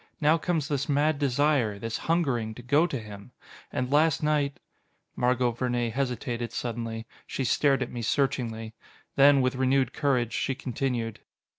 Now comes this mad desire, this hungering, to go to him. And last night "Margot Vernee hesitated suddenly. She stared at me searchingly. Then, with renewed courage, she continued.